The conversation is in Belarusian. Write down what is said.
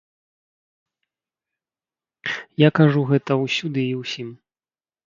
Я кажу гэта ўсюды і ўсім.